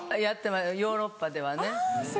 やってましたヨーロッパではね。